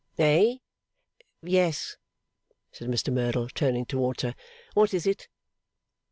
'Eh? Yes?' said Mr Merdle, turning towards her. 'What is it?